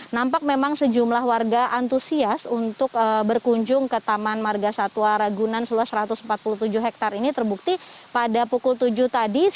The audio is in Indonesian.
nampak memang sejumlah warga antusias untuk berkunjung ke taman marga satwa ragunan seluas satu ratus empat puluh tujuh hektare ini terbukti pada pukul tujuh tadi